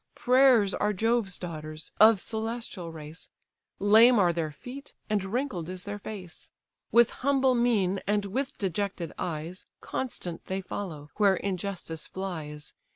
Prayers are Jove's daughters, of celestial race, Lame are their feet, and wrinkled is their face; With humble mien, and with dejected eyes, Constant they follow, where injustice flies.